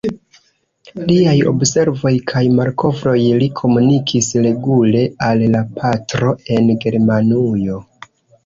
Liaj observoj kaj malkovroj li komunikis regule al la patro en Germanujo.